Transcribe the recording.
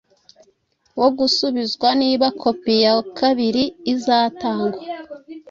wo gusubizwa Niba kopi ya kabiri izatangwa